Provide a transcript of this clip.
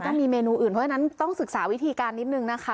ก็มีเมนูอื่นเพราะฉะนั้นต้องศึกษาวิธีการนิดนึงนะคะ